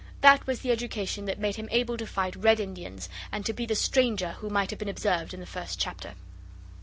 That was the education that made him able to fight Red Indians, and to be the stranger who might have been observed in the first chapter.